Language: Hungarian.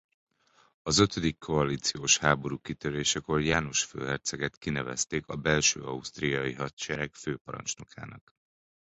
Az ötödik koalíciós háború kitörésekor János főherceget kinevezték a belső-ausztriai hadsereg főparancsnokának.